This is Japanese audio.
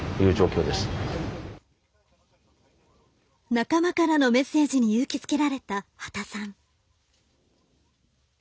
仲間からのメッセージに勇気づけられた波田さん。